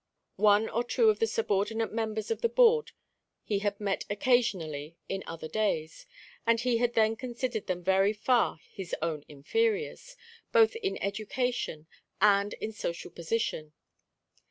One or two of the subordinate members of the Board he had met occasionally in other days, and he had then considered them very far his own inferiors, both in education and in social position.